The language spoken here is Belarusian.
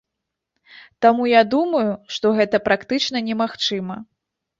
Таму я думаю, што гэта практычна немагчыма.